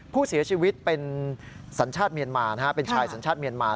ผู้เสียชีวิตเป็นสัญชาติเมียนมาเป็นชายสัญชาติเมียนมา